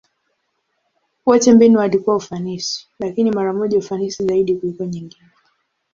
Wote mbinu walikuwa ufanisi, lakini mara moja ufanisi zaidi kuliko nyingine.